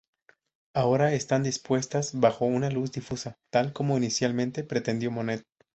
Ahora están dispuestas bajo una luz difusa, tal como inicialmente pretendió Monet.